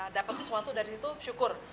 dapat sesuatu dari situ syukur